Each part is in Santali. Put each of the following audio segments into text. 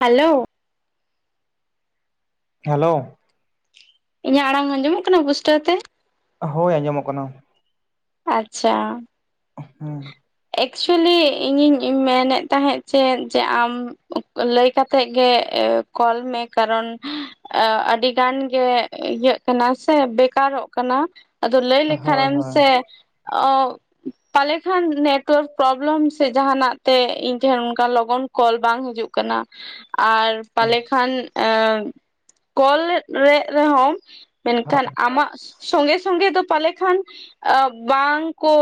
ᱦᱮᱞᱳ᱾ ᱦᱮᱞᱳ᱾ ᱤᱧᱟᱹᱜ ᱟᱲᱟᱝ ᱟᱸᱡᱚᱢᱚᱜ ᱠᱟᱱᱟ ᱯᱩᱥᱴᱟᱹᱣ ᱛᱮ? ᱦᱳᱭ ᱟᱸᱡᱚᱢᱚᱜ ᱠᱟᱱᱟ᱾ ᱟᱪᱪᱷᱟ᱾ ᱦᱮᱸ᱾ ᱮᱠᱪᱩᱭᱮᱞᱤ ᱤᱧᱤᱧ ᱢᱮᱱᱮᱫ ᱛᱟᱦᱮᱸᱫ ᱪᱮᱫ ᱡᱮ ᱟᱢ ᱞᱟᱹᱭ ᱠᱟᱛᱮᱜ ᱜᱮ ᱠᱚᱞ ᱢᱮ ᱠᱟᱨᱚᱱ ᱮ ᱟᱹᱰᱤ ᱜᱟᱱ ᱜᱮ ᱤᱭᱟᱹᱜ ᱠᱟᱱᱟ ᱥᱮ ᱵᱮᱠᱟᱨᱚᱜ ᱠᱟᱱᱟ᱾ ᱟᱫᱚ ᱞᱟᱹᱭ ᱞᱮ ᱦᱳᱭ ᱠᱷᱟᱱᱮᱢ ᱦᱳᱭ ᱥᱮ ᱚ ᱯᱟᱞᱮ ᱠᱷᱟᱱ ᱱᱮᱴᱣᱟᱨᱠ ᱯᱨᱚᱵᱽᱞᱮᱢ ᱥᱮ ᱡᱟᱦᱟ ᱱᱟᱜ ᱛᱮ ᱤᱧ ᱴᱷᱮᱱ ᱚᱱᱠᱟ ᱞᱚᱜᱚᱱ ᱠᱚᱞ ᱵᱟᱝ ᱦᱤᱡᱩᱜ ᱠᱟᱱᱟ ᱟᱨ ᱯᱟᱞᱮ ᱠᱷᱟᱱ ᱮ ᱠᱚᱞ ᱮᱫ ᱨᱮᱦᱚᱸᱢ ᱢᱮᱱ ᱦᱳᱭ ᱠᱷᱟᱱ ᱟᱢᱟᱜ ᱥᱚᱸᱜᱮ ᱥᱚᱸᱜᱮ ᱫᱚ ᱯᱟᱞᱮ ᱠᱷᱟᱱ ᱵᱟᱝ ᱠᱚᱼᱼ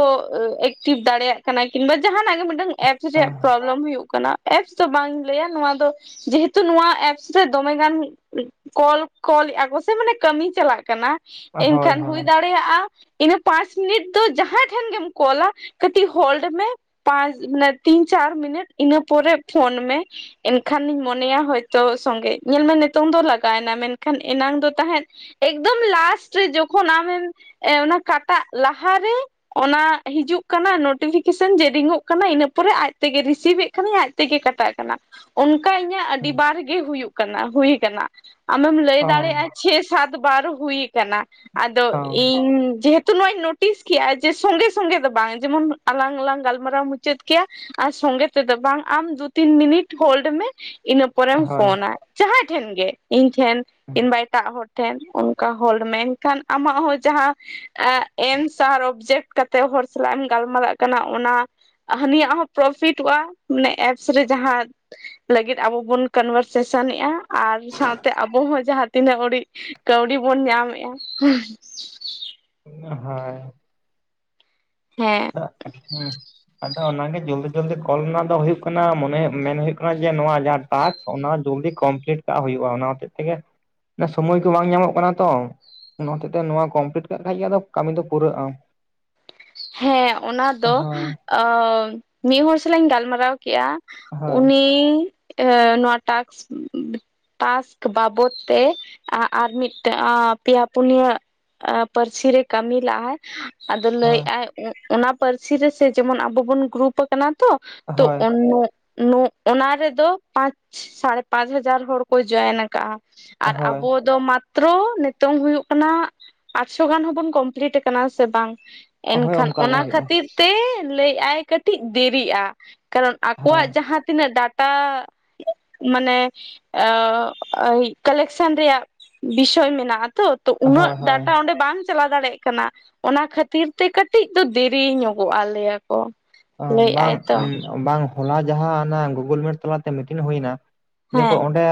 ᱮᱠᱴᱤᱵᱷ ᱫᱟᱲᱮᱭᱟᱜ ᱠᱟᱱᱟ ᱠᱤᱱᱵᱟ ᱡᱟᱦᱟᱱᱟᱜ ᱜᱮ ᱢᱤᱫᱴᱟᱝ ᱮᱯᱥ ᱨᱮᱭᱟᱜ ᱯᱨᱚᱵᱞᱮᱢ ᱦᱩᱭᱩᱜ ᱠᱟᱱᱟ᱾ ᱮᱯᱥ ᱫᱚ ᱵᱟᱝᱤᱧ ᱞᱟᱹᱭᱟ ᱱᱚᱣᱟ ᱫᱚ ᱡᱮᱦᱮᱛᱩ ᱱᱚᱣᱟ ᱮᱯᱥ ᱨᱮ ᱫᱚᱢᱮ ᱜᱟᱱ ᱠᱚᱞ ᱠᱚᱞᱮᱫᱼᱟ ᱠᱚ ᱥᱮ ᱢᱟᱱᱮ ᱠᱟᱹᱢᱤ ᱪᱟᱞᱟᱜ ᱠᱟᱱᱟ᱾ ᱮᱱ ᱦᱳᱭ ᱠᱷᱟᱱ ᱦᱩᱭ ᱦᱳᱭ ᱫᱟᱲᱮᱭᱟᱜᱼᱟ ᱤᱱᱟᱹ ᱯᱟᱸᱪ ᱢᱤᱱᱤᱴ ᱫᱚ ᱡᱟᱦᱟᱸᱭ ᱴᱷᱮᱱ ᱜᱮᱢ ᱠᱚᱞᱟ ᱠᱟᱹᱴᱤᱜ ᱦᱳᱞᱰ ᱢᱮ ᱾ ᱯᱟᱸᱪ ᱢᱟᱱᱮ ᱛᱤᱱ ᱪᱟᱨ ᱢᱤᱱᱤᱴ ᱤᱱᱟᱹ ᱯᱚᱨᱮ ᱯᱷᱳᱱ ᱢᱮ᱾ ᱮᱱᱠᱷᱟᱱᱤᱧ ᱢᱚᱱᱮᱭᱟ ᱦᱚᱭᱛᱚ ᱥᱚᱸᱜᱮ ᱧᱮᱞ ᱢᱮ ᱱᱤᱛᱚᱝ ᱫᱚ ᱞᱟᱜᱟᱣ ᱮᱱᱟ ᱢᱮᱱᱠᱷᱟᱱ ᱮᱱᱟᱝ ᱫᱚ ᱛᱟᱦᱮᱸᱫᱼᱼ ᱮᱠᱫᱚᱢ ᱞᱟᱥᱴ ᱨᱮ ᱡᱚᱠᱷᱚᱱ ᱟᱢᱮᱢ ᱚᱱᱟ ᱠᱟᱴᱟᱜ ᱞᱟᱦᱟᱨᱮ ᱚᱱᱟ ᱦᱤᱡᱩᱜ ᱠᱟᱱᱟ ᱱᱳᱴᱤᱯᱷᱤᱠᱮᱥᱚᱱ ᱡᱮ ᱨᱤᱝᱼᱚᱜ ᱠᱟᱱᱟ ᱤᱱᱟᱹ ᱯᱚᱨᱮ ᱟᱡ ᱛᱮᱜᱮ ᱨᱤᱥᱤᱵᱷ ᱮᱫ ᱠᱷᱟᱱᱤᱧ ᱟᱡᱛᱮᱜᱮ ᱠᱟᱴᱟᱜ ᱠᱟᱱᱟ᱾ ᱚᱱᱠᱟ ᱤᱧᱟᱹᱜ ᱟᱹᱰᱤ ᱵᱟᱨ ᱜᱮ ᱦᱩᱭᱩᱜ ᱠᱟᱱᱟ ᱦᱩᱭ ᱠᱟᱱᱟ ᱟᱢᱮᱢ ᱞᱟᱹᱭ ᱚ ᱫᱟᱲᱮᱭᱟᱜᱼᱟ ᱪᱷᱮ ᱥᱟᱛ ᱵᱟᱨ ᱦᱩᱭ ᱟᱠᱟᱱᱟ ᱟᱫᱚ ᱚ ᱤᱧ ᱡᱮᱦᱮᱛᱩ ᱱᱚᱣᱟᱧ ᱱᱳᱴ ᱴᱤᱥ ᱠᱮᱜᱼᱟ ᱡᱮ ᱥᱚᱸᱜᱮ ᱥᱚᱸᱜᱮ ᱫᱚ ᱵᱟᱝ ᱡᱮᱢᱚᱱ ᱟᱞᱟᱝ ᱞᱝ ᱜᱟᱞᱢᱟᱨᱟᱣ ᱢᱩᱪᱟᱹᱫ ᱠᱮᱜᱼᱟᱼᱼ ᱟᱨ ᱥᱚᱸᱜᱮ ᱛᱮᱫᱚ ᱵᱟᱝ ᱟᱢ ᱫᱩ ᱛᱤᱱ ᱢᱤᱱᱤᱴ ᱦᱳᱞᱰ ᱢᱮ ᱤᱱᱟᱹ ᱯᱚᱨᱮᱢ ᱦᱳᱭ ᱯᱷᱳᱱᱟ ᱡᱟᱦᱟᱸᱭ ᱴᱷᱮᱱ ᱜᱮ ᱤᱧ ᱴᱷᱮᱱ ᱠᱤᱱᱵᱟ ᱮᱴᱟᱜ ᱦᱚᱲ ᱴᱷᱮᱱ ᱚᱱᱠᱟ ᱦᱚᱲ ᱢᱮᱱᱠᱷᱟᱱ ᱟᱢᱟᱜ ᱦᱚᱸ ᱡᱟᱦᱟᱸ ᱮᱱᱥᱟᱨ ᱚᱵᱡᱮᱠᱴ ᱠᱟᱛᱮ ᱛᱮ ᱦᱚᱲ ᱥᱟᱞᱟᱜ ᱮᱢ ᱜᱟᱞᱢᱟᱨᱟᱜ ᱠᱟᱱᱟ ᱚᱱᱟ ᱦᱟᱹᱱᱤᱭᱟᱜ ᱦᱚᱸ ᱯᱨᱚᱯᱷᱤᱴᱚᱜᱼᱟ ᱢᱟᱱᱮ ᱮᱯᱥ ᱨᱮ ᱡᱟᱦᱟᱸᱼᱼ ᱞᱟᱹᱜᱤᱫ ᱟᱵᱚ ᱵᱚᱱ ᱠᱚᱱᱵᱷᱟᱨ ᱥᱮᱥᱚᱱᱮᱜᱼᱟ ᱟᱨ ᱥᱟᱶᱛᱮ ᱟᱵᱚ ᱦᱚᱸ ᱡᱟᱦᱟᱸ ᱛᱤᱱᱟᱹᱜ ᱚᱰᱤᱡ ᱠᱟᱹᱣᱰᱤ ᱵᱚᱱ ᱧᱟᱢᱮᱜᱼᱟ᱾ ᱦᱟᱭ ᱦᱮᱸ᱾ ᱦᱩᱸ᱾ ᱟᱫᱚ ᱚᱱᱟᱜᱮ ᱡᱚᱞᱫᱤ ᱡᱚᱞᱫᱤ ᱠᱚᱞ ᱨᱮᱱᱟᱜ ᱫᱚ ᱦᱳᱭᱳᱜ ᱠᱟᱱᱟ ᱢᱚᱱᱮ ᱢᱮᱱ ᱦᱳᱭᱳᱜ ᱠᱟᱱᱟ ᱡᱮ ᱱᱚᱣᱟ ᱡᱟᱦᱟᱸ ᱴᱟᱠᱥ ᱼᱼ ᱚᱱᱟ ᱡᱚᱞᱫᱤ ᱠᱚᱢᱯᱞᱤᱴ ᱠᱟᱜ ᱦᱩᱭᱩᱜᱼᱟ ᱚᱱᱟ ᱦᱚᱛᱮᱜ ᱛᱮᱜᱮ ᱥᱳᱢᱚᱭ ᱠᱚ ᱵᱟᱝ ᱧᱟᱢᱚᱜ ᱠᱟᱱᱟ ᱛᱚ ᱚᱱᱟ ᱦᱚᱛᱮᱜ ᱛᱮ ᱱᱚᱣᱟ ᱠᱚᱢᱯᱞᱤᱴ ᱠᱟᱜ ᱠᱷᱟᱡ ᱜᱮ ᱠᱟᱹᱢᱤ ᱫᱚ ᱯᱩᱨᱟᱹᱜᱼᱟ᱾ ᱦᱮᱸ ᱚᱱᱟ ᱫᱚ ᱦᱳᱭ ᱟ ᱢᱤᱫ ᱦᱚᱲᱚᱲ ᱥᱟᱞᱟᱜ ᱤᱧ ᱜᱟᱞ ᱢᱟᱨᱟᱣ ᱠᱮᱜᱼᱟ᱾ ᱦᱳᱭ ᱩᱱᱤ ᱱᱚᱣᱟ ᱴᱟᱠᱥᱼᱼ ᱴᱟᱥᱠ ᱵᱟᱵᱚᱛ ᱛᱮ ᱟᱨ ᱢᱤᱫ ᱴᱟᱝ ᱯᱮᱭᱟ ᱯᱩᱱᱭᱟᱹᱼᱼ ᱯᱟᱹᱨᱥᱤ ᱨᱮ ᱠᱟᱹᱢᱤ ᱞᱟᱜ ᱟᱭ, ᱟᱫᱚ ᱞᱟᱹᱭ ᱦᱳᱭ ᱮᱫ ᱟᱭ ᱚᱱᱟ ᱯᱟᱹᱨ ᱥᱤ ᱨᱮ ᱥᱮ ᱡᱮᱢᱚᱱ ᱟᱵᱚ ᱵᱚᱱ ᱜᱨᱩᱯᱼᱼ ᱠᱟᱱᱟ ᱛᱚ ᱦᱳᱭ [unintelligible] ᱚᱱᱟ ᱨᱮᱫᱚ ᱯᱟᱸᱪ ᱥᱟᱲᱮ ᱯᱟᱸᱪ ᱦᱟᱡᱟᱨ ᱦᱚᱲ ᱠᱚ ᱡᱚᱭᱮᱱ ᱟᱠᱟᱫᱟᱼᱟ᱾ ᱟᱨ ᱦᱳᱭ ᱟᱵᱚ ᱫᱚ ᱢᱟᱼᱼ ᱢᱟᱛᱨᱚ ᱱᱤᱛᱚᱝ ᱦᱩᱭᱩᱜ ᱠᱟᱱᱟ ᱟᱴᱥᱚ ᱜᱟᱱ ᱦᱚᱸᱵᱚᱱ ᱠᱚᱢᱯᱞᱤᱴ ᱠᱟᱱᱟ ᱥᱮ ᱵᱟᱝ? ᱦᱳᱭ ᱮᱱᱠᱷᱟᱱ ᱚᱱᱠᱟ ᱜᱮ ᱚᱱᱟ ᱦᱩᱭᱩᱜᱼᱟ ᱠᱷᱟᱹᱛᱤᱨᱼᱼ ᱛᱮ ᱞᱟᱹᱭ ᱟᱭ ᱠᱟᱹᱴᱤᱡ ᱫᱮᱨᱤᱜᱼᱟ ᱠᱟᱨᱚᱱ ᱦᱳᱭ ᱟᱠᱚᱣᱟᱜ ᱡᱟᱦᱟᱸ ᱛᱤᱱᱟᱹᱜᱼᱼ ᱴᱟ ᱢᱟᱱᱮ ᱠᱟᱞᱮᱠ ᱥᱮᱱ ᱨᱮᱭᱟᱜ ᱵᱤᱥᱚᱭ ᱢᱮᱱᱟᱜᱼᱟ᱾ ᱛᱚ ᱛᱚ ᱦᱳᱭ ᱩᱱᱟᱹᱜ ᱦᱳᱭ ᱴᱟᱠᱟ ᱚᱸᱰᱮ ᱵᱟᱝ ᱪᱟᱞᱟᱣ ᱫᱟᱲᱮ ᱭᱟᱜ ᱠᱟᱱᱟ ᱚᱱᱟ ᱠᱷᱟᱹᱛᱤᱨᱼᱼ ᱛᱮ ᱠᱟᱹᱴᱤᱡ ᱫᱚ ᱫᱮᱨᱤ ᱧᱚᱜᱚᱜᱼᱟ ᱚ ᱵᱟᱝ, ᱞᱟᱹᱭᱮᱫᱟᱭ ᱛᱚ ᱵᱟᱝ ᱦᱚᱞᱟ ᱡᱟᱦᱟᱸ ᱜᱩᱜᱩᱞ ᱢᱤᱴ ᱛᱟᱞᱟᱛᱮ ᱢᱤᱴᱤᱱ ᱦᱩᱭ ᱮᱱᱟ ᱫᱤᱭᱟᱹ ᱦᱮᱸ ᱚᱸᱰᱮ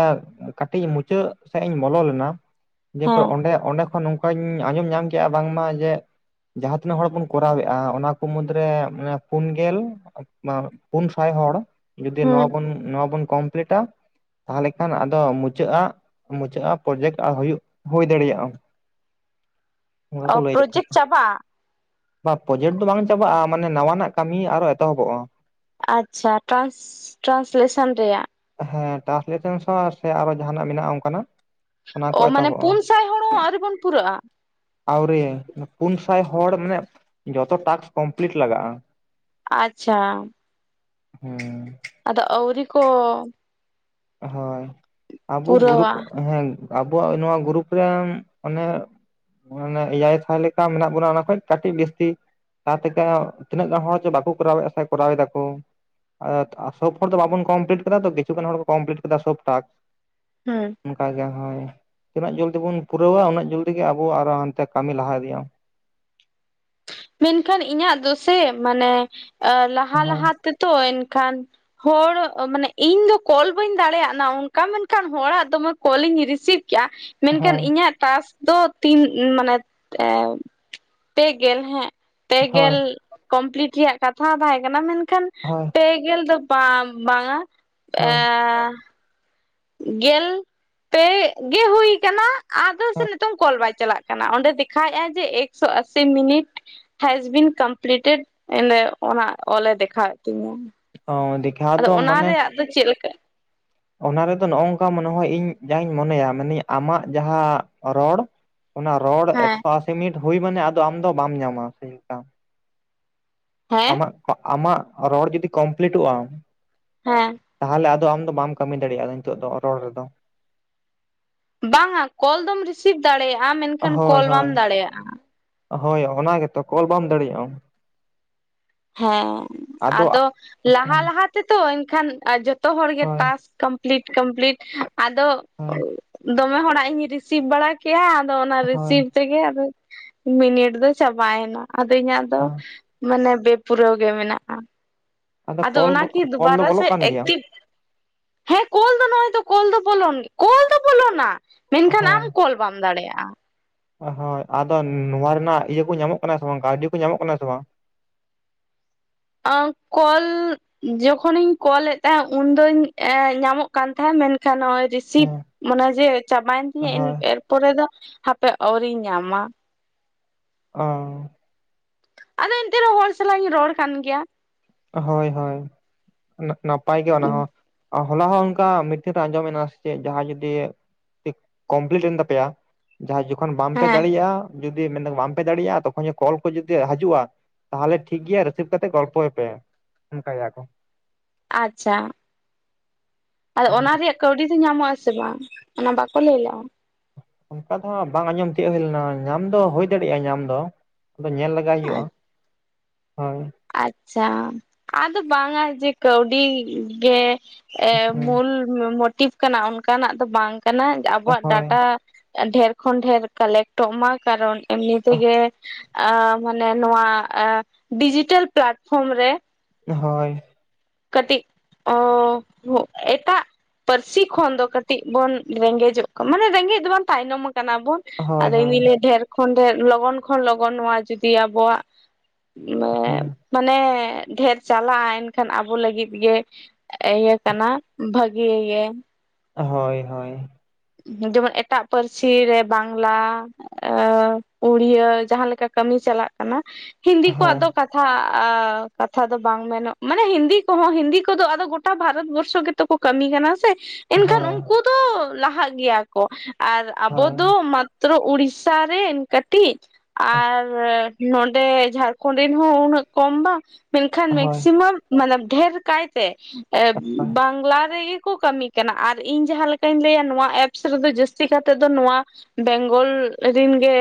ᱠᱟᱹᱴᱤᱡ ᱢᱩᱪᱟᱹᱫ ᱥᱮᱫ ᱤᱧ ᱵᱚᱞᱚ ᱞᱮᱱᱟ ᱫᱤᱭᱮᱹ ᱦᱮᱸ ᱚᱸᱰᱮ ᱚᱸᱰᱮ ᱠᱷᱚᱱᱼᱼ ᱱᱚᱝ ᱠᱟᱧ ᱟᱸᱡᱚᱢ ᱧᱟᱢ ᱠᱮᱫᱼᱟ ᱵᱟᱝ ᱢᱟ ᱡᱮ ᱡᱟᱦᱟᱸ ᱛᱤᱱᱟᱹᱜ ᱦᱚᱲ ᱵᱚᱱ ᱠᱚᱨᱟᱣ ᱮᱫᱼᱟ ᱚᱱᱟ ᱠᱚ ᱢᱩᱫ ᱨᱮ ᱯᱩᱱ ᱜᱮᱞ ᱯᱩᱱ ᱥᱟᱭ ᱦᱚᱲ ᱡᱩᱫᱤ ᱦᱮᱸ ᱱᱚᱣᱟ ᱵᱩᱱ ᱱᱚᱣᱟ ᱵᱩᱱ ᱠᱚᱢᱯᱞᱤᱴᱟᱼᱼ ᱛᱟᱦᱞᱮ ᱠᱷᱟᱱ ᱟᱫᱚ ᱢᱩᱪᱟᱹᱜ ᱟ ᱢᱩᱪᱟᱹᱫ ᱟᱜ ᱯᱨᱚᱡᱮᱴ ᱦᱩᱭᱩᱜ ᱦᱳᱭ ᱫᱟᱲᱮ ᱭᱟᱜᱼᱟ᱾ [inaudible] ᱚᱱᱠᱟ ᱚ ᱠᱚ ᱞᱟᱹᱭ ᱮᱫ ᱯᱨᱚᱡᱮᱠᱴ ᱪᱟᱵᱟᱜᱼᱟ ᱵᱟ ᱯᱨᱚᱡᱮᱴ ᱫᱚ ᱵᱟᱝ ᱪᱟᱵᱟᱜᱼᱟ ᱢᱟᱱᱮ ᱱᱟᱣᱟ ᱱᱟᱜᱼᱼ ᱠᱟᱹᱢᱤ ᱟᱨᱚ ᱮᱛᱚ ᱦᱚ ᱵᱚᱜᱼᱟ᱾ ᱟᱪᱪᱷᱟ ᱴᱨᱟᱱᱥ ᱴᱨᱟᱱᱞᱮᱥᱚᱱ ᱨᱮᱭᱟᱜ᱾ ᱦᱮᱸ ᱴᱨᱥᱞᱮᱴᱮᱱᱥᱚ ᱥᱮ ᱟᱨᱚ ᱡᱟᱸᱦᱟᱱᱟᱜ ᱢᱮᱱᱟᱜ-ᱟ ᱚᱝᱠᱟᱱᱟᱜ? ᱚ ᱢᱟᱱᱮ ᱯᱩᱱ ᱥᱟᱭ ᱦᱚᱲ ᱦᱚᱸ ᱟᱹᱣᱨᱤ ᱵᱚᱱ ᱯᱩᱨᱟᱹᱜ-ᱟ? ᱟᱹᱣᱨᱤ ᱯᱩᱱ ᱥᱟᱭ ᱦᱚᱲ ᱢᱟᱱᱮ ᱡᱚᱛᱚ ᱴᱟᱠᱥ ᱠᱚᱢᱯᱞᱤᱴ ᱞᱟᱜᱟᱜ-ᱟ᱾ ᱟᱪᱪᱷᱟ᱾ ᱦᱩᱸ᱾ ᱟᱫᱚ ᱟᱹᱣᱨᱤ ᱠᱚ ᱦᱳᱭ, ᱟᱵᱚ ᱜᱩᱨᱩᱯ ᱯᱩᱨᱟᱹᱣᱟ ᱦᱮᱸ ᱟᱵᱚᱣᱟᱜ ᱱᱚᱣᱟ ᱜᱩᱨᱩᱯ ᱨᱮ ᱚᱱᱮ ᱢᱟᱱᱮ ᱮᱭᱟᱭ ᱥᱟᱭ ᱞᱮᱠᱟ ᱢᱮᱱᱟᱜ ᱵᱚᱱᱟ ᱚᱱᱟ, ᱠᱷᱚᱱ ᱠᱟᱹᱴᱤᱡ ᱡᱟᱹᱥᱛᱤ᱾ [unintelligible] ᱛᱤᱱᱟᱹᱜ ᱜᱟᱱ ᱦᱚᱲ ᱪᱚ ᱵᱟᱠᱚ ᱠᱚᱨᱟᱣᱮᱜ-ᱟ ᱥᱮ ᱠᱚᱨᱟᱣ ᱮᱫᱟ ᱠᱚ? [unintelligible] ᱥᱳᱵ ᱦᱚᱲ ᱫᱚ ᱵᱟᱵᱚᱱ ᱠᱚᱢᱯᱞᱤᱴ ᱠᱟᱫᱟ ᱛᱚ, ᱠᱤᱪᱷᱩ ᱜᱟᱱ ᱦᱚᱲ ᱠᱚ ᱠᱚᱢᱯᱤᱞᱤᱴ ᱠᱟᱫᱟ ᱥᱳᱯ ᱴᱟᱠᱥ᱾ ᱦᱩᱸ᱾ ᱚᱱᱠᱟ ᱜᱮ ᱦᱳᱭ, ᱛᱤᱱᱟᱹᱜ ᱡᱚᱞᱫᱤ ᱵᱚᱱ ᱯᱩᱨᱟᱹᱣᱟ ᱩᱱᱟᱹᱜ ᱡᱚᱞᱫᱤ ᱜᱮ ᱟᱵᱚ ᱟᱛᱚ ᱦᱟᱱᱛᱮ ᱠᱟᱹᱢᱤ ᱞᱟᱦᱟ ᱤᱫᱤᱜ-ᱟ᱾ ᱢᱮᱱᱠᱷᱟᱱ ᱤᱧᱟᱹᱜ ᱫᱚᱥᱮ ᱢᱟᱱᱮ ᱞᱟᱦᱟ ᱦᱳᱭ ᱞᱟᱦᱟ ᱛᱮ ᱛᱚ ᱮᱱᱠᱷᱟᱱ᱾ ᱦᱚᱲ ᱢᱟᱱᱮ ᱤᱧ ᱫᱚ ᱠᱚᱞ ᱵᱟᱹᱧ ᱫᱟᱲᱮᱭᱟᱜ ᱱᱟ ᱚᱱᱠᱟ ᱢᱮᱱᱠᱷᱟᱱ ᱦᱚᱲᱟᱜ ᱫᱚᱢᱮ ᱠᱚᱞᱤᱧ ᱨᱤᱥᱤᱵᱷ ᱠᱮᱜ-ᱟ ᱢᱮᱱᱠᱷᱟᱱ ᱦᱳᱭ ᱤᱧᱟᱹᱜ ᱴᱟᱥᱠ ᱫᱚ ᱛᱤᱱ ᱢᱟᱱᱮ ᱯᱮᱜᱮᱞ ᱦᱮᱸ ᱦᱳᱭ ᱯᱮᱜᱮᱞ ᱠᱚᱢᱯᱞᱤᱴ ᱨᱮᱭᱟᱜ ᱠᱟᱛᱷᱟ ᱛᱟᱦᱮᱸ ᱠᱟᱱᱟ ᱢᱮᱱᱠᱷᱟᱱ ᱦᱳᱭ ᱯᱮᱜᱮᱞ ᱫᱚ ᱵᱟᱝ ᱵᱟᱝᱟ ᱦᱳᱭ ᱮᱸᱻ ᱜᱮᱞ ᱯᱮ ᱜᱮ ᱦᱩᱭ ᱠᱟᱱᱟ ᱟᱫᱚ ᱥᱮ ᱱᱤᱛᱚᱝ ᱠᱚᱞ ᱵᱟᱭ ᱪᱟᱞᱟᱜ ᱠᱟᱱᱟ, ᱚᱸᱰᱮ ᱫᱮᱠᱷᱟᱣᱮᱜ-ᱟ ᱡᱮ ᱮᱠᱥᱳ ᱟᱥᱤ ᱢᱤᱱᱤᱴ ᱦᱮᱡ ᱵᱤᱱ ᱠᱚᱢᱯᱞᱤᱴᱮᱰ ᱮᱸᱰᱮ ᱚᱱᱟ ᱚᱞᱮ ᱫᱮᱠᱷᱟᱣᱮᱜ ᱛᱤᱧᱟᱹ᱾ ᱚᱻ ᱟᱹᱰᱤ ᱟᱫᱚ ᱚᱱᱟ ᱨᱮᱭᱟᱜ ᱫᱚ ᱪᱮᱫ ᱞᱮᱠᱟ? ᱚᱱᱟ ᱨᱮᱫᱚ ᱱᱚᱜ-ᱚᱝᱠᱟ ᱢᱚᱱᱮ ᱦᱚᱭ ᱤᱧ ᱡᱟᱦᱟᱧ ᱢᱚᱱᱮᱭᱟ ᱢᱟᱱᱮ ᱟᱢᱟᱜ ᱡᱟᱦᱟᱸ ᱨᱚᱲ ᱚᱱᱟ ᱨᱚᱲ ᱦᱮᱸ ᱮᱠᱥᱚ ᱟᱥᱤ ᱢᱤᱱᱤᱴ ᱦᱩᱭ ᱢᱟᱱᱮ ᱟᱫᱚ ᱟᱢ ᱫᱚ ᱵᱟᱢ ᱧᱟᱢᱟ ᱥᱮ ᱪᱮᱫ ᱞᱮᱠᱟ? ᱦᱮᱸ ᱟᱢᱟᱜ, ᱟᱢᱟᱜ ᱨᱚᱲ ᱡᱩᱫᱤ ᱠᱚᱢᱯᱞᱤᱤᱴᱚᱜ-ᱟ ᱦᱮᱸ ᱛᱟᱦᱞᱮ ᱟᱫᱚ ᱟᱢ ᱫᱚ ᱵᱟᱢ ᱠᱟᱹᱢᱤ ᱫᱟᱲᱮᱭᱟᱜ-ᱟ ᱱᱤᱛᱚᱜ ᱫᱚ ᱨᱚᱲ ᱨᱮᱫᱚ᱾ ᱵᱟᱝᱟ ᱠᱚᱞ ᱫᱚᱢ ᱨᱤᱥᱤᱵᱷ ᱫᱟᱲᱮᱭᱟᱜ-ᱟ ᱢᱮᱱᱠᱷᱟᱱ ᱦᱳᱭ ᱠᱚᱞ ᱵᱟᱢ ᱦᱳᱭ ᱫᱟᱲᱮᱭᱟᱜ-ᱟ᱾ ᱦᱳᱭ, ᱚᱱᱟ ᱜᱮᱛᱚ ᱠᱚᱞ ᱵᱟᱢ ᱫᱟᱲᱮᱭᱟᱜ-ᱟᱢ᱾ ᱦᱮᱸ, ᱟᱫᱚ ᱞᱟᱦᱟ ᱞᱟᱦᱟ ᱛᱮᱛᱚ ᱮᱱᱠᱷᱟᱱ ᱡᱚᱛᱚ ᱦᱚᱲ ᱜᱮ ᱦᱳᱭ ᱛᱟᱥ ᱠᱚᱢ ᱯᱞᱤᱴ ᱠᱚᱢᱯᱞᱤᱴ ᱟᱫᱚ ᱦᱳᱭ ᱫᱚᱢᱮ ᱦᱚᱲᱟᱜ ᱤᱧ ᱨᱤᱥᱤᱵᱷ ᱵᱟᱲᱟ ᱠᱮᱜ-ᱟ, ᱟᱫᱚ ᱚᱱᱟ ᱦᱳᱭ ᱨᱤᱥᱤᱵᱽ ᱛᱮᱜᱮ ᱟᱫᱚ ᱢᱤᱱᱤᱴ ᱫᱚ ᱪᱟᱵᱟᱭᱮᱱᱟ᱾ ᱟᱫᱚ ᱤᱧᱟᱹᱜ ᱫᱚ ᱦᱳᱭ ᱢᱟᱱᱮ ᱵᱮᱯᱩᱨᱟᱹᱣ ᱜᱮ ᱢᱮᱱᱟᱜ-ᱟ᱾ ᱟᱫᱚ ᱠᱚᱞ ᱚᱱᱟᱠᱤ ᱠᱚᱞ ᱫᱚ ᱫᱩᱵᱟᱨᱟ ᱥᱮ ᱵᱚᱞᱚᱜ ᱠᱟᱱ ᱜᱮᱭᱟ ᱮᱠᱴᱤᱵᱷ ᱦᱮᱸ ᱠᱚᱞ ᱫᱚ ᱱᱚᱜ-ᱚᱭ ᱛᱚ ᱠᱚᱞ ᱫᱚ ᱵᱚᱞᱚᱱ, ᱠᱚᱞ ᱫᱚ ᱵᱚᱞᱚᱱᱟ, ᱢᱮᱱᱠᱷᱟᱱ ᱟᱢ ᱦᱮᱸ ᱠᱚᱞ ᱵᱟᱢ ᱫᱟᱲᱮᱭᱟᱜ-ᱟ᱾ ᱦᱳᱭ, ᱟᱫᱚ ᱱᱚᱣᱟ ᱨᱮᱱᱟᱜ ᱤᱭᱟᱹ ᱠᱚ ᱧᱟᱢᱚᱜ ᱠᱟᱱᱟ ᱥᱮ ᱵᱟᱝ ᱠᱟᱹᱣᱰᱤ ᱠᱚ ᱧᱟᱢᱚᱜ ᱠᱟᱱᱟ ᱥᱮ ᱵᱟᱝ? ᱟᱸᱻ ᱠᱚᱞ ᱡᱚᱠᱦᱚᱱ ᱤᱧ ᱠᱚᱞ ᱮᱫ ᱛᱟᱦᱮᱸᱜ ᱩᱱ ᱫᱚᱧ ᱧᱟᱢᱚᱜ ᱠᱟᱱ ᱛᱟᱦᱮᱸᱫ ᱢᱮᱱᱠᱷᱟᱱ ᱱᱚᱜ-ᱚᱭ ᱨᱤᱥᱤ ᱥᱤᱵᱽ ᱦᱮᱸ ᱢᱟᱱᱮ ᱡᱮ ᱪᱟᱵᱟᱭᱮᱱ ᱛᱤᱧᱟᱹ ᱦᱳᱭ ᱮᱨ ᱯᱚᱨᱮ ᱫᱚ ᱦᱟᱯᱮ ᱟᱹᱣᱨᱤᱧ ᱧᱟᱢᱟ᱾ ᱚᱻ ᱟᱫᱚ ᱮᱱᱛᱮ ᱨᱮᱚᱸ ᱦᱚᱲ ᱥᱟᱞᱟᱜ ᱤᱧ ᱨᱚᱲ ᱠᱟᱱ ᱜᱮᱭᱟ᱾ ᱦᱳᱭ ᱦᱳᱭ ᱟᱞᱟᱜᱽ ᱱᱟᱯᱟᱭ ᱜᱮ ᱚᱱᱟ ᱦᱚᱸ᱾ ᱦᱚᱞᱟ ᱦᱚᱸ ᱚᱝᱠᱟ ᱢᱤᱴᱤᱱ ᱨᱮ ᱟᱸᱡᱚᱢ ᱮᱱᱟ ᱥᱮ ᱪᱮᱫ ᱡᱟᱦᱟᱸᱭ ᱡᱩᱫᱤ ᱠᱚᱢᱯᱞᱤᱴ ᱮᱱ ᱛᱟᱯᱮᱭᱟ ᱡᱟᱦᱟᱸ ᱡᱚᱠᱷᱚᱱ ᱵᱟᱝᱯᱮ ᱦᱮᱸ ᱫᱟᱲᱮᱭᱟᱜ-ᱟ ᱡᱩᱫᱤ ᱢᱮᱱ ᱵᱟᱢᱯᱮ ᱫᱟᱲᱮᱭᱟᱜᱼᱟ ᱛᱚᱠᱷᱚᱱ ᱠᱚᱞ ᱠᱚ ᱡᱩᱫᱤ ᱦᱟᱡᱩᱜᱼᱟ ᱛᱟᱦᱞᱮ ᱴᱷᱤᱠ ᱜᱮᱭᱟ ᱨᱤᱥᱤᱵᱷ ᱠᱟᱛᱮᱜ ᱜᱚᱞᱯᱚᱭᱮ ᱯᱮ᱾ ᱚᱝᱠᱟᱭᱮᱜ-ᱟ ᱠᱚ᱾ ᱟᱪᱪᱷᱟ ᱟᱫᱚ ᱚᱱᱟ ᱨᱮᱭᱟᱜ ᱠᱟᱹᱣᱰᱤ ᱫᱚ ᱧᱟᱢᱚᱜ ᱟᱥᱮ ᱵᱟᱝ ᱚᱱᱟ ᱵᱟᱠᱚ ᱞᱟᱹᱭ ᱞᱟᱜ-ᱟ? ᱚᱱᱠᱟ ᱫᱚ ᱦᱟᱸᱜ ᱵᱟᱝ ᱟᱸᱡᱚᱢ ᱛᱤᱭᱳᱜ ᱦᱩᱭ ᱞᱮᱱᱟ ᱧᱟᱢ ᱫᱚ ᱦᱩᱭ ᱫᱟᱲᱮᱜ-ᱟ ᱧᱟᱢ ᱫᱚ ᱟᱫᱚ ᱧᱮᱞ ᱞᱮᱜᱟᱭ ᱦᱩᱭᱩᱜ-ᱟ ᱦᱳᱭ ᱟᱪᱪᱷᱟ ᱟᱫᱚ ᱵᱟᱝᱟ ᱡᱮ ᱠᱟᱹᱣᱰᱤ ᱜᱮ ᱢᱩᱞ ᱢᱚᱴᱤᱵᱷ ᱠᱟᱱᱟ ᱚᱱᱠᱟᱱᱟᱜ ᱫᱚ ᱵᱟᱝ ᱠᱟᱱᱟ ᱟᱵᱚᱣᱟᱜ ᱦᱳᱭ ᱰᱟᱴᱟ ᱰᱷᱮᱨ ᱠᱷᱚᱱ ᱰᱷᱮᱨ ᱠᱟᱞᱮᱠᱴ ᱴᱚᱜ ᱢᱟ ᱠᱟᱨᱚᱱ ᱮᱢᱱᱤ ᱛᱮᱜᱮ ᱟ ᱢᱟᱱᱮ ᱱᱚᱣᱟ ᱰᱤᱡᱤᱴᱮᱞ ᱯᱞᱟᱴᱯᱷᱨᱚᱢ ᱨᱮ ᱦᱚᱭ ᱠᱟᱹᱴᱤᱡ ᱚ ᱮᱴᱟᱜ ᱯᱟᱹᱨᱥᱤ ᱠᱷᱚᱱ ᱫᱚ ᱠᱟᱹᱴᱤᱡ ᱵᱚᱱ ᱨᱮᱸᱜᱮᱡᱚᱜ ᱠᱟᱱᱟ ᱢᱟᱱᱮ ᱨᱮᱸᱜᱮᱡ ᱫᱚ ᱵᱟᱝ ᱛᱟᱭᱱᱚᱢ ᱠᱟᱱᱟ ᱵᱚᱱ᱾ ᱦᱳᱭ ᱟᱫᱚ ᱤᱧ ᱦᱳᱭ ᱫᱚᱧ ᱞᱟᱹᱭᱟ ᱰᱷᱮᱨ ᱠᱷᱚᱱ ᱰᱷᱮᱨ ᱞᱚᱜᱚᱱ ᱠᱷᱚᱱ ᱞᱚᱜᱚᱱ ᱱᱚᱣᱟ ᱡᱩᱫᱤ ᱟᱵᱚᱣᱟᱜ ᱦᱩᱸ ᱢᱟᱱᱮ ᱰᱷᱮᱨ ᱪᱟᱞᱟᱜ-ᱟ ᱮᱱᱠᱷᱟᱱ ᱟᱵ ᱟᱵᱚ ᱞᱟᱹᱜᱤᱫ ᱜᱮ ᱤᱭᱟᱹ ᱠᱟᱱᱟ ᱵᱷᱟᱹᱜᱤ ᱜᱮ᱾ ᱦᱳᱭ ᱦᱳᱭ ᱡᱮᱢᱚᱱ ᱮᱴᱟᱜ ᱯᱟᱹᱨᱥᱤ ᱨᱮ ᱵᱟᱝᱞᱟ ᱩᱲᱭᱟᱹ ᱡᱟᱦᱟᱸ ᱞᱮᱠᱟ ᱠᱟᱹᱢᱤ ᱪᱟᱞᱟᱜ ᱠᱟᱱᱟ ᱦᱤᱱᱫᱤ ᱦᱳᱭ ᱠᱚᱣᱟᱜ ᱫᱚ ᱠᱟᱛᱷᱟ ᱠᱟᱛᱷᱟ ᱫᱚ ᱵᱟᱝ ᱢᱮᱱᱚᱜ ᱢᱟᱱᱮ ᱦᱤᱱᱫᱤ ᱠᱚᱦᱚᱸ ᱦᱤᱱᱫᱤ ᱠᱚᱫᱚ ᱟᱫᱚ ᱜᱚᱴᱟ ᱵᱷᱟᱨᱚᱛ ᱵᱚᱨᱥᱚ ᱜᱮ ᱛᱚ ᱠᱚ ᱠᱟᱹᱢᱤ ᱠᱟᱱᱟ ᱥᱮ ᱮᱱ ᱠᱷᱟᱱ ᱦᱳᱭ ᱩᱱᱠᱩ ᱫᱚ ᱞᱟᱦᱟᱜ ᱜᱮᱭᱟ ᱠᱚ ᱟᱨ ᱟᱵᱚ ᱫᱚ ᱦᱳᱭ ᱛᱨᱚ ᱩᱲᱤᱥᱥᱟ ᱨᱮᱱ ᱠᱟᱹᱴᱤᱡ ᱟᱨ ᱱᱚᱰᱮ ᱡᱷᱟᱲᱠᱷᱚᱸᱱᱰ ᱨᱤᱱ ᱦᱚᱸ ᱩᱱᱟᱹᱜ ᱠᱚᱢ ᱵᱟᱝ ᱢᱮᱱᱠᱷᱟᱱ ᱦᱳᱭ ᱢᱮᱠᱥᱤᱢᱟᱢ ᱢᱟᱱᱮ ᱰᱷᱮᱨ ᱠᱟᱭᱛᱮ ᱵᱟᱝᱞᱟ ᱨᱮᱜᱮ ᱠᱚ ᱠᱟᱢᱤ ᱠᱟᱱᱟ ᱟᱨ ᱤᱧ ᱡᱟᱦᱟᱸ ᱞᱮᱠᱟᱧ ᱞᱟᱹᱭᱟ ᱱᱚᱣᱟ ᱮᱯᱥ ᱨᱮᱫᱚ ᱡᱟᱹᱥᱛᱤ ᱠᱟᱛᱮ ᱫᱚ ᱱᱚᱣᱟ ᱵᱮᱝᱜᱚᱞ ᱨᱤᱱ ᱜᱮ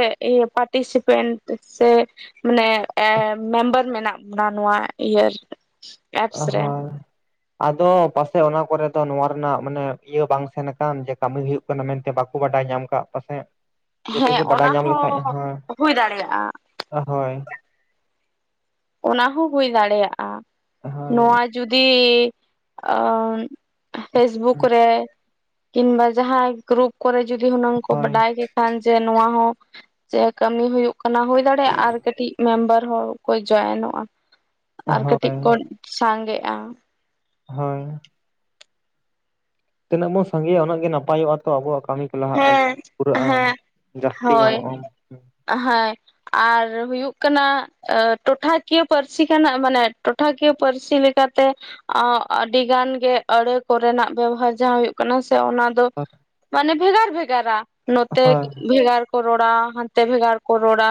ᱯᱟᱴᱤᱥᱤᱯᱮᱱᱴ ᱥᱮ ᱢᱟᱱᱮ ᱮ ᱢᱮᱢᱵᱟᱨ ᱢᱮᱱᱟᱜ ᱵᱚᱱᱟ ᱱᱚᱣᱟ ᱤᱭᱟᱹ ᱚ ᱮᱯᱥ ᱨᱮ ᱦᱚᱸᱭ ᱟᱫᱚ ᱯᱟᱥᱮᱜ ᱚᱱᱟ ᱠᱚᱨᱮ ᱫᱚ ᱱᱚᱣᱟ ᱨᱮᱱᱟᱜ ᱢᱟᱱᱮ ᱤᱭᱟᱹ ᱵᱟᱝ ᱥᱮᱱ ᱟᱠᱟᱱ ᱡᱮ ᱠᱟᱹᱢᱤ ᱦᱩᱭᱩᱜ ᱠᱱᱟ ᱢᱮᱱᱛᱮ ᱵᱟᱠᱚ ᱵᱟᱰᱟᱭ ᱧᱟᱢ ᱠᱟᱜ ᱯᱟᱥᱮᱜ ᱡᱩᱫᱤ ᱦᱮᱸ ᱠᱚ ᱵᱟᱰᱟᱭ ᱚᱱᱟ ᱧᱟᱢ ᱞᱮᱠᱷᱟᱡ ᱦᱚᱸ ᱦᱳᱸ ᱦᱩᱭ ᱫᱟᱲᱮᱭᱟᱜᱼᱟ ᱦᱳᱭ ᱚᱱᱟ ᱦᱚᱸ ᱦᱩᱭ ᱫᱟᱲᱮᱭᱟᱜ-ᱟ ᱦᱳᱭ ᱱᱚᱣᱟ ᱡᱩᱫᱤ ᱯᱷᱮᱥᱵᱩᱠ ᱨᱮ ᱠᱤᱢᱵᱟ ᱡᱟᱦᱟᱸᱭ ᱜᱨᱩᱯ ᱠᱚᱨᱮ ᱡᱩᱫᱤ ᱦᱩᱱᱟᱹᱝ ᱠᱚ ᱦᱳᱭ ᱵᱟᱰᱟᱭ ᱡᱮ ᱱᱚᱣᱟ ᱦᱚᱸ ᱡᱮ ᱠᱟᱹᱢᱤ ᱦᱩᱭᱩᱜ ᱠᱟᱱᱟ ᱦᱩᱭ ᱫᱟᱲᱮᱭᱟᱜ-ᱟ ᱟᱨ ᱠᱟᱹᱴᱤᱡ ᱢᱮᱢᱵᱟᱨ ᱦᱚᱲ ᱡᱚᱭᱮᱱᱚᱜ-ᱟ ᱟᱨ ᱠᱟᱹᱴᱤᱡ ᱦᱳᱭ ᱠᱚ ᱥᱟᱸᱜᱮ-ᱟ ᱦᱳᱭ ᱛᱤᱱᱟᱹᱜ ᱵᱚᱱ ᱥᱟᱸᱜᱮ-ᱟ ᱩᱱᱟᱹᱜ ᱜᱮ ᱱᱟᱯᱚᱭᱜ-ᱟ ᱛᱚ ᱟᱵᱣᱟᱜ ᱠᱟᱹᱢᱤ᱾ ᱞᱟᱦᱟᱜ-ᱟ ᱦᱮᱸ ᱯᱩᱨᱟᱹᱜ-ᱟ ᱦᱮᱸ ᱡᱟᱹᱥᱛᱤ ᱦᱳᱭ ᱧᱟᱢᱚᱜ-ᱟ ᱦᱮᱸ ᱟᱨ ᱦᱩᱭᱩᱜ ᱠᱟᱱᱟ ᱴᱚᱴᱷᱟ ᱠᱤᱭᱟᱹ ᱯᱟᱹᱨᱥᱤ ᱠᱟᱱᱟ ᱢᱟᱱᱮ ᱴᱚᱴᱷᱟ ᱠᱤᱭᱟᱹ ᱯᱟᱹᱨᱥᱤ ᱞᱮᱠᱟᱛᱮ ᱟᱹᱰᱤ ᱜᱟᱱ ᱜᱮ ᱟᱹᱲᱟᱹ ᱠᱚᱨᱮᱱᱟᱜ ᱵᱮᱵᱚᱦᱟᱨ ᱡᱟᱦᱟᱸ ᱦᱩᱭᱩᱜ ᱠᱟᱱᱟ ᱥᱮ ᱚᱱᱟ ᱢᱟᱱᱮ ᱵᱷᱮᱜᱟᱨ ᱵᱷᱮᱜᱟᱨᱟ ᱱᱚᱛᱮ ᱦᱳᱭ ᱵᱷᱮᱜᱟᱨ ᱠᱚ ᱨᱚᱲᱟ ᱦᱟᱱ ᱛᱮ ᱵᱷᱮᱜᱟᱨ ᱠᱚ ᱨᱚᱲᱟ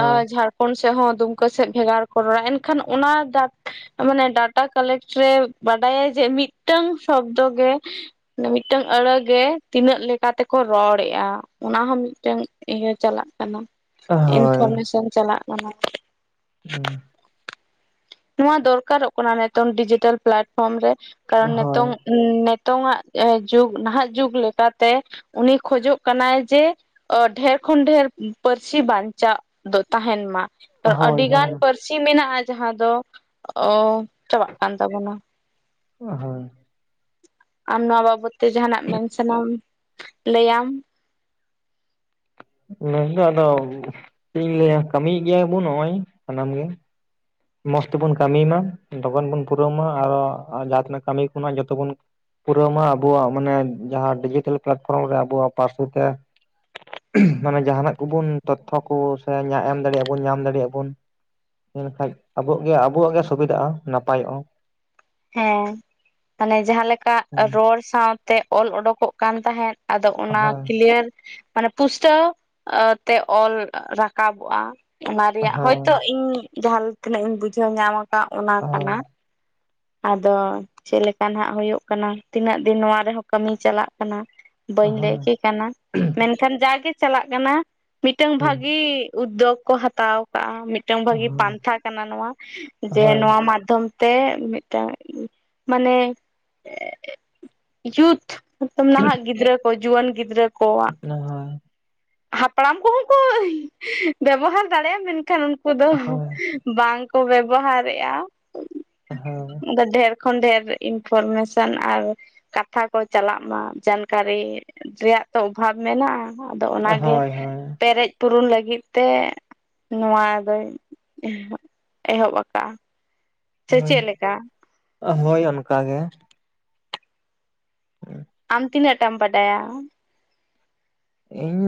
ᱟ ᱡᱷᱟᱲ ᱠᱚᱱ ᱥᱮᱡ ᱦᱚᱸ ᱫᱩᱢᱠᱟᱹ ᱥᱮᱫ ᱵᱷᱮᱜᱟᱨ ᱠᱚ ᱨᱚᱲᱟ ᱮᱱᱠᱷᱟᱱ ᱚᱱᱟ ᱫᱟᱜ ᱢᱟᱱᱮ ᱰᱟᱴᱟ ᱠᱟᱞᱮᱠᱴ ᱨᱮ ᱵᱟᱰᱟᱭᱟᱭ ᱡᱮ ᱢᱤᱫᱴᱟᱝ ᱥᱚᱵᱫᱚ ᱜᱮ ᱱᱮ ᱢᱤᱫᱴᱟᱝ ᱟᱹᱲᱟᱹ ᱜᱮ ᱛᱤᱱᱟᱹᱜ ᱞᱮᱠ ᱠᱟ ᱛᱮᱠᱚ ᱨᱚᱲᱮᱜ-ᱟ ᱚᱱᱟ ᱦᱚᱸ ᱢᱤᱫᱴᱮᱱ ᱤᱭᱟᱹ ᱪᱟᱞᱟᱜ ᱠᱟᱱᱟ᱾ ᱦᱳᱭ ᱤᱱᱯᱷᱚᱨᱢᱮᱥᱚᱱ ᱪᱟᱞᱟᱜ ᱠᱟᱱᱟ᱾ ᱦᱩᱸ ᱱᱚᱣᱟ ᱫᱚᱨᱠᱟᱨᱚᱜ ᱠᱟᱱᱟ ᱱᱤᱛᱚᱝ ᱰᱤᱡᱤᱴᱮᱞ ᱯᱞᱟᱴᱯᱷᱚᱨᱢ ᱨᱮ ᱠᱟᱨᱚᱱ ᱦᱳᱭ ᱱᱤᱛᱚᱝ ᱱᱤᱛᱚᱝ-ᱟᱜ ᱡᱩᱜᱽ ᱱᱟᱦᱟᱜ ᱡᱩᱜᱽ ᱞᱮᱠᱟᱛᱮ ᱩᱱᱤ ᱠᱷᱚᱡᱚᱜ ᱠᱟᱱᱟᱭ ᱡᱮ ᱚ ᱰᱷᱮᱨ ᱠᱷᱚᱱ ᱰᱷᱮᱨ ᱯᱟᱹᱨᱥᱤ ᱵᱟᱧᱪᱟᱜ ᱫᱚ ᱛᱟᱦᱮᱱ ᱢᱟ ᱛᱚ ᱦᱳᱭ ᱟᱹᱰᱤᱜᱟᱱ ᱦᱳᱭ ᱯᱟᱹᱨᱥᱤ ᱢᱮᱱᱟᱜᱼᱟ ᱡᱟᱦᱟᱸ ᱫᱚ ᱚ ᱪᱟᱵᱟᱜ ᱠᱟᱱ ᱛᱟᱵᱚᱱᱟ ᱚ ᱦᱚᱭ ᱟᱢ ᱱᱚᱣᱟ ᱵᱟᱵᱚᱛ ᱛᱮ ᱡᱟᱦᱱᱟᱜ ᱢᱮᱱ ᱥᱟᱱᱟᱢ ᱞᱟᱹᱭᱟᱢ? ᱢᱮᱱ ᱫᱚ ᱟᱫᱚ ᱪᱮᱫ ᱤᱧ ᱞᱟᱹᱭᱟ ᱠᱟᱹᱢᱤᱭᱮᱫ ᱜᱮᱭᱟ ᱵᱚ ᱱᱚᱜ ᱚᱭ ᱥᱟᱱᱟᱢ ᱜᱮ᱾ ᱢᱚᱸᱡᱽ ᱛᱮᱵᱚᱱ ᱠᱟᱹᱢᱤ ᱢᱟ ᱞᱚᱜᱚᱱ ᱵᱚᱱ ᱯᱩᱨᱟᱹᱣ ᱢᱟ ᱟᱨᱚ ᱡᱟᱦᱟᱸ ᱛᱤᱱᱟᱹᱜ ᱠᱟᱹᱢᱤ ᱠᱚ ᱱᱟᱜ ᱡᱚᱛ ᱵᱚᱱ ᱯᱩᱨᱟᱹᱣ ᱢᱟ ᱟᱵᱚᱣᱟᱜ ᱢᱟᱱᱮ ᱡᱟᱦᱟᱸ ᱰᱤᱡᱤᱴᱮᱞ ᱯᱞᱟᱴᱯᱷᱚᱨᱚᱢ ᱨᱮ ᱟᱵᱚᱣᱟᱜ ᱯᱟᱹᱨᱥᱤ ᱛᱮ ᱩᱜ ᱢᱟᱱᱮ ᱡᱟᱦᱟᱸᱟᱱᱟᱜ ᱠᱩᱵᱩᱱ ᱛᱚᱛᱷᱚ ᱠᱚ ᱥᱮ ᱧᱟ ᱮᱢ ᱫᱟᱲᱮᱭᱟᱜᱼᱟ ᱵᱩᱱ ᱧᱟᱢ ᱫᱟᱲᱮᱭᱟᱜᱼᱟ ᱵᱩᱱ ᱢᱮᱱᱠᱷᱟᱡ ᱟᱵᱚ ᱟᱜ ᱜᱮ ᱟᱵᱚᱣᱟᱜ ᱜᱮ ᱥᱩᱵᱤᱫᱷᱟᱜᱼᱟ ᱱᱟᱯᱟᱭᱚᱜᱼᱟ ᱦᱮᱸ ᱛᱟᱞᱦᱮ ᱡᱟᱸᱦᱟ ᱞᱮᱠᱟ ᱨᱚᱲ ᱥᱟᱶᱛᱮ ᱚᱞ ᱚᱰᱠᱚᱜ ᱠᱟᱱ ᱛᱟᱦᱮᱸᱫ ᱟᱫᱚ ᱚᱱᱟ ᱦᱳᱭ ᱠᱞᱤᱭᱟᱨ ᱢᱟᱱᱮ ᱯᱩᱥᱴᱟᱹᱣ ᱛᱮ ᱚᱞ ᱨᱟᱠᱟᱵᱚᱜᱼᱟ ᱚᱱᱟ ᱨᱮᱭᱟᱜ ᱦᱳᱭ ᱦᱚᱭᱛᱚ ᱤᱧ ᱡᱟᱦᱟᱸᱞ ᱛᱤᱱᱟᱹᱜ ᱤᱧ ᱵᱩᱡᱷᱟᱹᱣ ᱧᱟᱢ ᱟᱠᱟᱫ ᱚᱱᱟ ᱦᱳᱭ ᱠᱟᱱᱟ ᱟᱫᱚ ᱪᱮᱫ ᱞᱮᱠᱟ ᱱᱟᱜ ᱦᱩᱭᱩᱜ ᱠᱟᱱᱟ ᱛᱤᱱᱟᱹᱜ ᱫᱤᱱ ᱱᱚᱣᱟ ᱨᱮᱦᱚᱸ ᱠᱟᱹᱢᱤ ᱪᱟᱞᱟᱜ ᱠᱟᱱᱟ ᱵᱟᱹᱧ ᱞᱟᱹᱭ ᱦᱳᱭ ᱠᱮ ᱠᱟᱱᱟ ᱢᱮᱱᱠᱷᱟᱱ ᱡᱟᱜᱮ ᱪᱟᱞᱟᱜ ᱠᱟᱱᱟ ᱢᱤᱫᱴᱟᱝ ᱵᱷᱟᱹᱜᱤ ᱩᱫᱽᱫᱳᱜᱽ ᱠᱚ ᱦᱟᱛᱟᱣ ᱟᱠᱟᱫᱼᱟ ᱢᱤᱫᱴᱟᱝ ᱵᱷᱟᱹᱜᱤ ᱯᱟᱱᱛᱷᱟ ᱠᱟᱱᱟ ᱱᱚᱣᱟ ᱦᱳᱭ ᱦᱳᱭ ᱦᱳᱭ ᱡᱮ ᱦᱳᱭ ᱱᱚᱣᱟ ᱢᱟᱫᱽᱫᱷᱚᱢ ᱛᱮ ᱢᱤᱫᱴᱟᱝ ᱢᱟᱱᱮ ᱭᱩᱛᱷ ᱦᱤᱛᱚᱢ ᱱᱟᱦᱟᱜ ᱜᱤᱫᱽᱨᱟᱹ ᱠᱚ ᱡᱩᱣᱟᱹᱱ ᱜᱤᱫᱽᱨᱟᱹ ᱠᱚᱣᱟᱜ ᱦᱟᱯᱲᱟᱢ ᱠᱚᱦᱚᱸ ᱠᱚ ᱵᱮᱵᱚᱦᱟᱨ ᱫᱟᱲᱮᱭᱟᱜᱼᱟ ᱢᱮᱱᱠᱷᱟᱱ ᱩᱱᱠᱩ ᱫᱚ ᱵᱟᱝ ᱠᱚ ᱵᱮᱵᱚᱦᱟᱨᱮᱜᱼᱟ ᱦᱚᱭ ᱚᱝᱠᱟ ᱰᱷᱮᱨ ᱠᱷᱚᱱ ᱰᱷᱮᱨ ᱤᱱᱯᱷᱚᱨᱢᱮᱥᱮᱱ ᱟᱨ ᱠᱟᱛᱷᱟ ᱠᱚ ᱪᱟᱞᱟᱜ ᱢᱟ ᱡᱟᱱᱠᱟᱨᱤ ᱨᱮᱭᱟᱜ ᱛᱚ ᱚᱵᱷᱟᱵ ᱢᱮᱱᱟᱜᱼᱟ ᱟᱫᱚ ᱚᱱᱟᱜᱮ ᱦᱳᱭ ᱯᱮᱨᱮᱡ, ᱯᱩᱨᱚᱱ ᱞᱟᱹᱜᱤᱫ ᱛᱮ ᱱᱚᱣᱟ ᱫᱚᱭ ᱮᱦᱚᱵ ᱮᱦᱚᱵ ᱟᱠᱟᱜ-ᱟ᱾ ᱦᱳᱭ ᱦᱳᱭ ᱚᱱᱠᱟ ᱜᱮ᱾ ᱟᱢ ᱛᱤᱱᱟᱹᱜ ᱴᱟᱢ ᱵᱟᱰᱟᱭᱟ, ᱤᱧ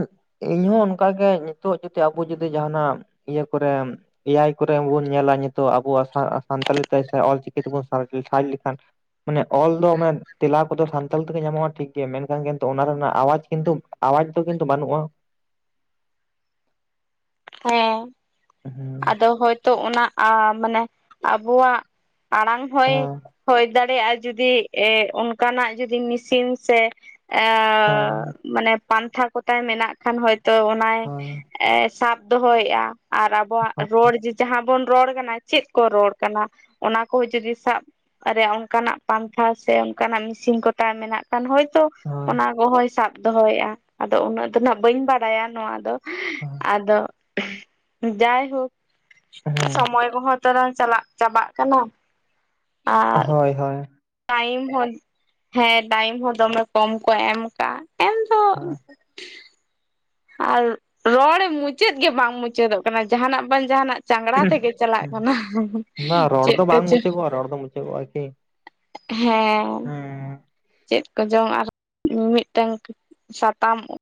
ᱤᱧ ᱦᱚ ᱚᱱᱠᱟᱜᱮ ᱱᱤᱛᱚᱜ ᱡᱩᱫᱤ ᱟᱵᱚ ᱡᱩᱫᱤ ᱡᱟᱦᱱᱟᱜ ᱤᱭᱟᱹ ᱠᱚᱨᱮᱢ ᱮᱭᱟᱭ ᱠᱚᱨᱮ ᱟᱵᱚᱱ ᱵᱚᱱ ᱧᱮᱧᱟ ᱱᱤᱛᱚᱜ ᱟᱵᱚᱣᱟᱜ ᱥᱟᱱᱛᱟᱞᱤ ᱛᱮ ᱚᱞᱪᱤᱠᱤ ᱛᱮᱵᱚᱱ ᱥᱟᱡ ᱞᱮᱠᱷᱟᱱ ᱢᱟᱱᱮ ᱚᱞ ᱫᱚ ᱢᱟᱱᱮ ᱛᱮᱞᱟ ᱠᱚᱫᱚ ᱥᱟᱱᱛᱟᱞᱤ ᱛᱮᱜᱮ ᱧᱟᱢᱚᱜ-ᱟ᱾ ᱴᱷᱤᱠ ᱜᱮᱭᱟ ᱢᱮᱱᱠᱷᱟᱱ ᱠᱤᱱᱛᱩ ᱚᱱᱟ ᱨᱮᱱᱟᱜ ᱟᱣᱟᱡ ᱠᱤᱱᱛᱩ ᱟᱣᱟᱡ ᱫᱚ ᱠᱤᱱᱛᱩ ᱵᱟᱹᱱᱩᱜ-ᱟ᱾ ᱦᱮᱸ ᱦᱮᱸ ᱟᱫᱚ ᱦᱚᱭᱛᱚ ᱚᱱᱟ ᱟ ᱢᱟᱱᱮ ᱟᱵᱚᱣᱟᱜ ᱟᱲᱟᱝ ᱦᱚᱭ ᱦᱚᱭ ᱫᱟᱲᱮ ᱫᱟᱸᱲᱮᱭᱟᱜ-ᱟ, ᱡᱩᱫᱤ ᱮ ᱚᱱᱠᱟᱱᱟᱜ ᱡᱩᱫᱤ ᱢᱤᱥᱤᱱ ᱥᱮ ᱮ ᱦᱮᱸ ᱢᱟᱱᱮ ᱯᱟᱱᱛᱷᱟ ᱠᱚᱛᱟᱭ ᱢᱮᱱᱟᱜ ᱠᱷᱟᱱ ᱦᱚᱭᱛᱚ ᱚᱱᱟᱭ ᱦᱳᱭ ᱮ ᱥᱟᱵ ᱫᱚᱦᱚᱭᱮᱜ-ᱟ᱾ ᱟᱨ ᱟᱵᱚᱣᱟᱜ ᱦᱳᱭ ᱨᱚᱲ ᱡᱮ ᱡᱟᱸᱦᱟ ᱵᱚᱱ ᱨᱚᱲ ᱠᱟᱱᱟ ᱪᱮᱫ ᱠᱚ ᱨᱚᱲ ᱠᱟᱱᱟ ᱚᱱᱟ ᱠᱚ ᱡᱩᱫᱤ ᱥᱟᱵ ᱟᱨᱮᱭᱟᱜ ᱟ ᱚᱱᱠᱟᱱᱟᱜ ᱯᱟᱱᱛᱷᱟ ᱥᱮ ᱚᱱᱠᱟᱱᱟᱜ ᱢᱮᱥᱤᱱ ᱠᱚᱛᱟᱭ ᱢᱮᱱᱟᱜ ᱠᱷᱟᱱ ᱦᱳᱭᱛᱚ ᱦᱳᱭ ᱚᱱᱟ ᱠᱚᱦᱚᱭ ᱥᱟᱵ ᱫᱚᱦᱚᱭᱮᱫ-ᱟ, ᱟᱫᱚ ᱩᱱᱟᱹᱜ ᱫᱚ ᱱᱟᱜ ᱵᱟᱹᱧ ᱵᱟᱰᱟᱭᱟ ᱱᱚᱣᱟ ᱫᱚ ᱟᱫᱚ ᱡᱟᱭ ᱦᱳᱠ ᱦᱮᱸ ᱥᱚᱢᱚᱭ ᱠᱚᱦᱚᱸ ᱛᱟᱨᱟᱝ ᱪᱟᱞᱟᱜ ᱪᱟᱵᱟᱜ ᱠᱟᱱᱟ᱾ [inaudible] ᱦᱚᱭ ᱦᱚᱭ ᱴᱟᱭᱤᱢ ᱦᱚᱸ ᱦᱮᱸ ᱴᱟᱭᱤᱢ ᱦᱚᱸ ᱫᱚᱢᱮ ᱠᱚᱢ ᱠᱚ ᱮᱢ ᱠᱟᱜ-ᱟ ᱮᱢ ᱫᱚ ᱦᱮᱸ ᱟᱨ ᱨᱚᱲ ᱢᱩᱪᱟᱹᱫ ᱜᱮ ᱵᱟᱝ ᱢᱩᱪᱟᱹᱫᱚᱜ ᱠᱟᱱᱟ ᱡᱟᱦᱟᱱᱟᱜ ᱵᱟᱝ ᱡᱟᱦᱟᱱᱟᱜ ᱪᱟᱝᱲᱟ ᱛᱮᱜᱮ ᱪᱟᱞᱟᱜ ᱠᱟᱱᱟ ᱵᱟ ᱨᱚᱲ ᱪᱮᱫ ᱫᱚ ᱵᱟᱝ ᱛᱮᱪᱚ ᱢᱩᱪᱟᱹᱫᱚᱜᱼᱟ ᱨᱚᱲ ᱫᱚ ᱢᱩᱪᱟᱹᱫᱚᱜᱼᱟ ᱠᱤ ᱦᱮᱸ ᱦᱮᱸ ᱪᱮᱫ ᱠᱚ ᱪᱚᱝ ᱟᱨ ᱢᱤ-ᱢᱤᱫᱴᱟᱝ ᱥᱟᱛᱟᱢ